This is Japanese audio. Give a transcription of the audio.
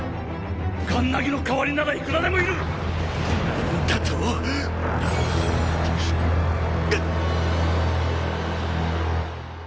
カンナギの代わりならいくらでもいるなんだと⁉ぐっ！